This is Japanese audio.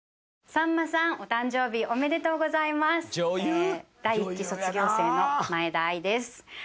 「さんまさんお誕生日おめでとうございます」「第一期卒業生の前田愛です」